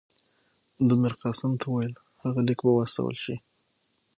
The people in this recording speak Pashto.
ده میرقاسم ته وویل هغه لیک به واستول شي.